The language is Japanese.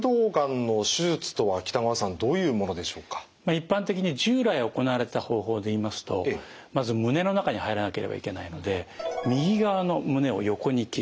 一般的に従来行われた方法で言いますとまず胸の中に入らなければいけないので右側の胸を横に切ります。